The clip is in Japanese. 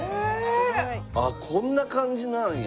あっこんな感じなんや。